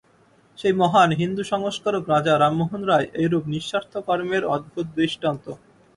সেই মহান হিন্দু সংস্কারক রাজা রামমোহন রায় এইরূপ নিঃস্বার্থ কর্মের অদ্ভুত দৃষ্টান্ত।